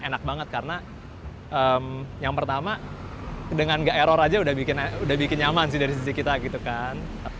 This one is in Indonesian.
enak banget karena yang pertama dengan gak error aja udah bikin nyaman sih dari sisi kita gitu kan